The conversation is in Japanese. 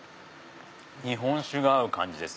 日本酒が合う感じです。